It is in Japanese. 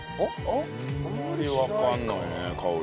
あんまりわかんないね香り。